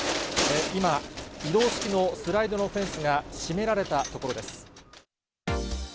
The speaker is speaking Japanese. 今、移動式のスライドのフェンスが閉められたところです。